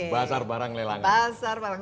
basar barang pelelangan